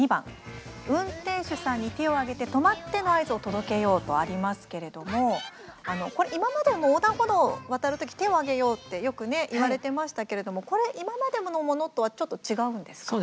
「うんてんしゅさんにてをあげてとまって！のあいずをとどけよう！」とありますけれども今までも横断歩道を渡るとき手を上げようってよく言われてましたけれども今までのものとは違うんですか？